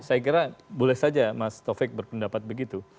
saya kira boleh saja mas taufik berpendapat begitu